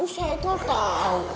tuh saya ikut tau